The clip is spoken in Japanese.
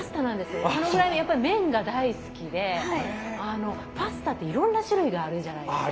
そのぐらいやっぱ麺が大好きでパスタっていろんな種類があるじゃないですか。